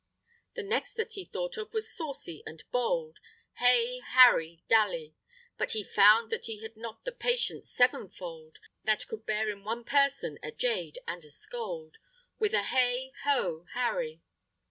The next that he thought of was saucy and bold, Hey, Harry Dally! But he found that he had not the patience sevenfold That could bear in one person a jade and a scold, With a hey ho, Harry!